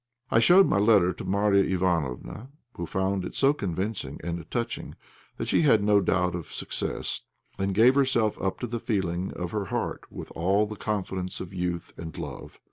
I showed my letter to Marya Ivánofna, who found it so convincing and touching that she had no doubt of success, and gave herself up to the feelings of her heart with all the confidence of youth and love.